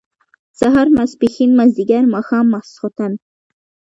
سهار ، ماسپښين، مازيګر، ماښام ، ماسخوتن